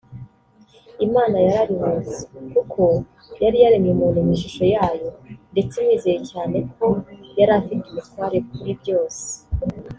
Imana yararuhutse kuko yari yaremye umuntu mu ishusho yayo ndetse imwizeye cyane ko yari afite ubutware kuri byose